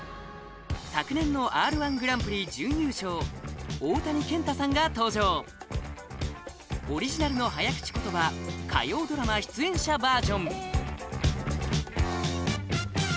昨年の「Ｒ−１グランプリ」準優勝大谷健太さんが登場オリジナルの「早口言葉火曜ドラマ出演者ｖｅｒ．」